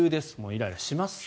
イライラします。